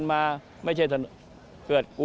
มีเหตุ